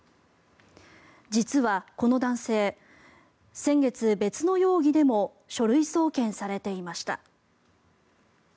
実はこの男性先月、別の容疑でも書類送検されていました。